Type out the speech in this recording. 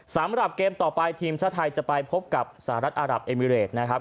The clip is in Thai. สำหรับเกมต่อไปทีมชาติไทยจะไปพบกับสหรัฐอารับเอมิเรตนะครับ